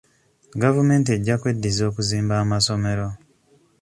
Gavumenti ejja kweddiza okuzimba amasomero.